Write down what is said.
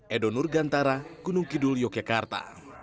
edo nurgantara gunung kidul yogyakarta